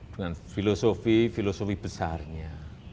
dengan filosofi filosofi besarnya